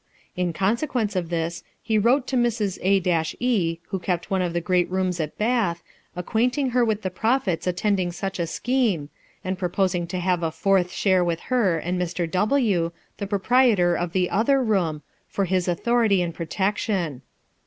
In consequence of this, he wrote to Mrs. A e, who kept one of the great rooms at Bath, acquainting her with the profits attending such a scheme, and proposing to have a fourth share with her and Mr. "W , the proprietor of the other room, for his authority and protection.